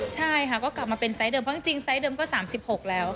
ใช่ค่ะก็กลับมาเป็นไซส์เดิมเพราะจริงไซส์เดิมก็๓๖แล้ว